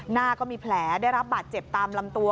หน้าก็มีแผลได้รับบาดเจ็บตามลำตัว